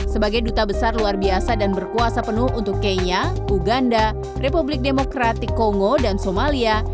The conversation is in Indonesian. sebagai duta besar luar biasa dan berkuasa penuh untuk kenya uganda republik demokratik kongo dan somalia